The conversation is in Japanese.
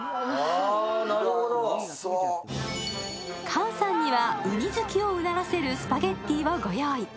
菅さんには、うに好きをうならせるスパゲッティをご用意。